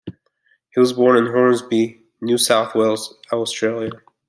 He was born in Hornsby, New South Wales, Australia.